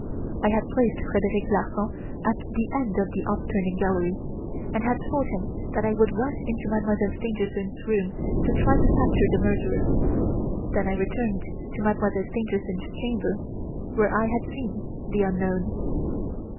I had placed Frederic Larsan at the end of the 'off turning' gallery and had told him that I would rush into Mademoiselle Stangerson's room to try to capture the murderer. Then I returned to Mademoiselle Stangerson's chamber where I had seen the unknown.